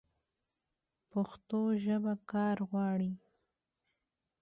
پښتو ژبه کار غواړي.